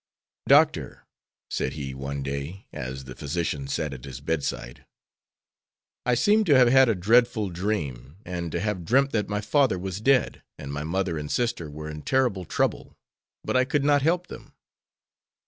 "Doctor," said he one day, as the physician sat at his bedside, "I seem to have had a dreadful dream, and to have dreamt that my father was dead, and my mother and sister were in terrible trouble, but I could not help them.